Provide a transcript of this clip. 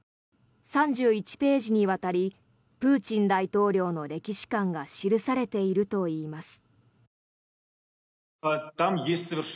３１ページにわたりプーチン大統領の歴史観が記されているといいます。